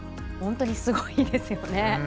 本当にすごいですよね。